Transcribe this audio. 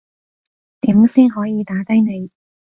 點先可以打低你